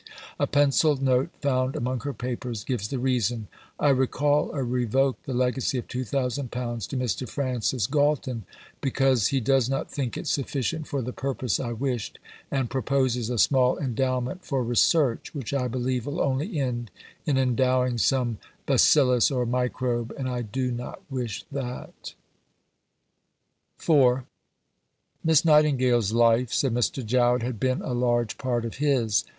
A pencilled note found among her Papers gives the reason: "I recall or revoke the legacy of £2000 to Mr. Francis Galton because he does not think it sufficient for the purpose I wished and proposes a small Endowment for Research, which I believe will only end in endowing some bacillus or microbe, and I do not wish that." IV Miss Nightingale's life, said Mr. Jowett, had been a large part of his.